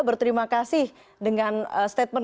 berterima kasih dengan statement